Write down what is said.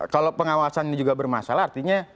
kalau pengawasan ini juga bermasalah artinya